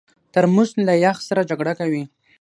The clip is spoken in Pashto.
ترموز له یخ سره جګړه کوي.